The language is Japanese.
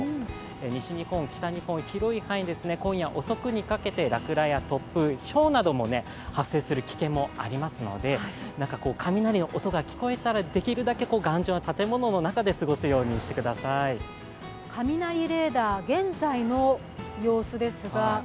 西日本、北日本広い範囲で今夜遅くにかけて落雷や突風、ひょうなども発生する危険もありますので、雷の音が聞こえたらできるだけ頑丈な建物の中で雷レーダー、現在の様子ですが。